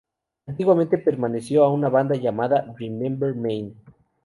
Antiguamente perteneció a una banda llamada Remember Maine.